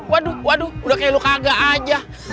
waduh udah kayak lu kagak aja